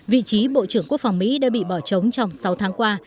vị trí bộ trưởng quốc phòng mỹ đã bị bỏ trống trong sáu tháng qua